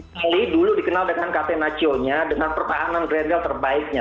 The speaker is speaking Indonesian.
itali dulu dikenal dengan kt nacchionya dengan pertahanan grandel terbaiknya